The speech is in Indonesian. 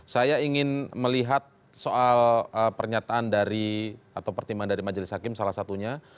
saya ingin melihat soal pernyataan dari atau pertimbangan dari majelis hakim salah satunya